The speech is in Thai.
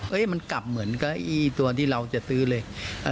เอ๊ะมันกลับเหมือนกับตัวที่เราจะซื้อเลย